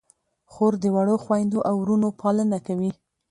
خور د وړو خویندو او وروڼو پالنه کوي.